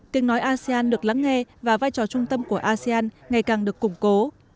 tiếng nói asean được lắng nghe và vai trò trung tâm của asean ngày càng được củng cố